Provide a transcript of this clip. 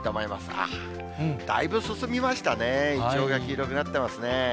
あ、だいぶ進みましたね、イチョウが黄色くなってますね。